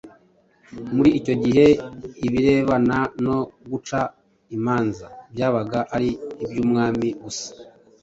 muri icyo gihe ibirebana no guca imanza byabaga ari iby’Umwami gusa.